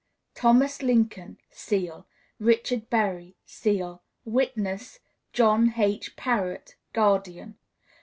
"THOMAS LINCOLN [Seal]. "RICHARD BERRY [Seal]. "Witness, JOHN H. PARROTT, Guardian."